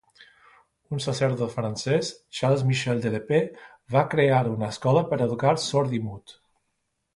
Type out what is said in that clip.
Un sacerdot francès, Charles-Michel de l'Épée, va crear una escola per educar sord-i-mut.